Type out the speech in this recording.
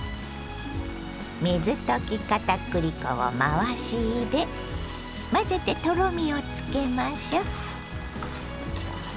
水溶き片栗粉を回し入れ混ぜてとろみをつけましょう。